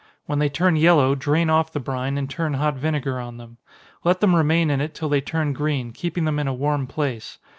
When they turn yellow, drain off the brine, and turn hot vinegar on them. Let them remain in it till they turn green, keeping them in a warm place.